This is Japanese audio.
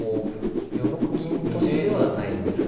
４六銀取りではないんですが。